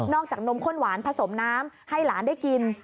จากนมข้นหวานผสมน้ำให้หลานได้กิน